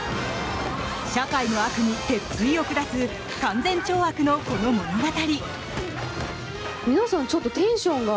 社会の悪に鉄槌を下す勧善懲悪の、この物語。